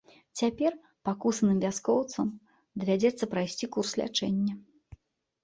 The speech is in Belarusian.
Цяпер пакусаным вяскоўцам давядзецца прайсці курс лячэння.